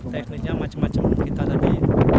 teknisnya macam macam kita tadi